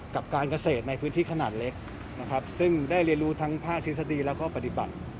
กับการเกษตรในพื้นที่ขนาดเล็กนะครับซึ่งได้เรียนรู้ทั้งภาคทฤษฎีแล้วก็ปฏิบัติ